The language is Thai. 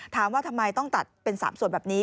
ถามว่าทำไมต้องตัดเป็น๓ส่วนแบบนี้